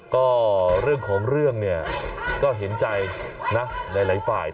ก็เรื่องของเรื่องเนี่ยก็เห็นใจนะหลายฝ่าย